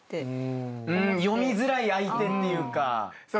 読みづらい相手っていうか。